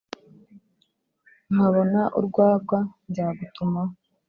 nkabona urwagwa nzagutumaho